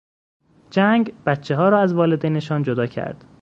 جنگ، بچهها را از والدینشان جدا کرد.